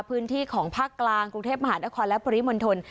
พื้นที่ของภาคกลางกรุงเทพมหานครและปริมณฑล